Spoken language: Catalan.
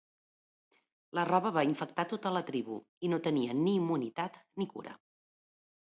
La roba va infectar tota la tribu, i no tenien ni immunitat ni cura.